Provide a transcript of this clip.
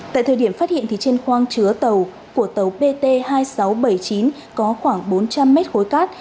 tại thời điểm phát hiện trên khoang chứa tàu của tàu pt hai nghìn sáu trăm bảy mươi chín có khoảng bốn trăm linh mét khối cát